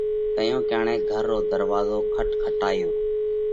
تئيون ڪڻئيڪ گھر رو ڌروازو کٽکٽايو۔